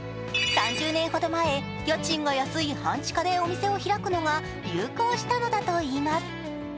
３０年ほど前家賃が安い半地下でお店を開くのが流行したのだといいます。